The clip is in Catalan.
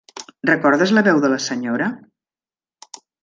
Recordes la veu de la senyora?